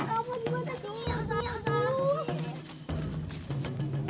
aduh capek banget bos